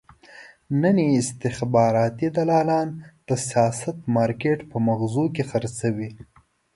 نن یې استخباراتي دلالان د سیاسي مارکېټ په مغازه کې خرڅوي.